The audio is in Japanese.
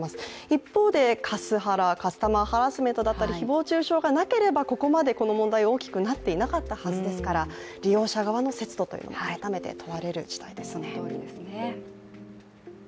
一方で、カスハラカスタマーハラスメントだったり誹謗中傷がなければここまでこの問題、大きくなっていなかったはずですから利用者側の節度というのも改めて問われる時代ですね。